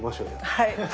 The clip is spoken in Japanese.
はい。